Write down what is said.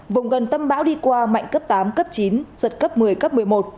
vùng gần tâm bão đi qua mạnh cấp tám cấp chín giật cấp một mươi cấp một mươi một